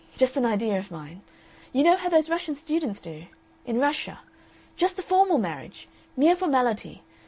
Just an idea of mine. You know how those Russian students do? In Russia. Just a formal marriage. Mere formality.